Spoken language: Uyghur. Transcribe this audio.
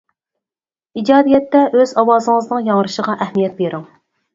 ئىجادىيەتتە ئۆز ئاۋازىڭىزنىڭ ياڭرىشىغا ئەھمىيەت بېرىڭ.